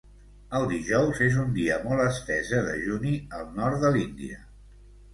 El dijous és un dia molt estès de dejuni al nord de l'Índia.